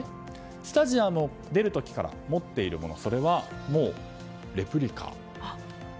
スタジアムを出る時から持っているものはレプリカだと。